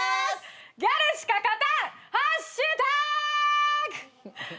ギャルしか勝たん！